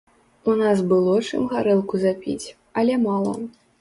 У нас было чым гарэлку запіць, але мала.